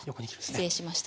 失礼しました。